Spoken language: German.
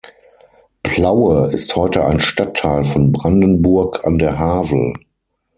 Plaue ist heute ein Stadtteil von Brandenburg an der Havel.